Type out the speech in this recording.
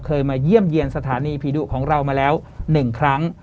มาเยี่ยมเยี่ยมสถานีผีดุของเรามาแล้ว๑ครั้ง